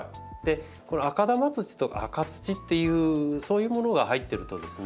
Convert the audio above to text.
この赤玉土とか赤土っていうそういうものが入ってるとですね